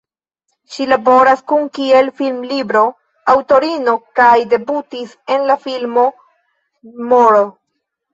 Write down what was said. Ŝi laboras nun kiel filmlibro-aŭtorino kaj debutis en la filmo "Mr.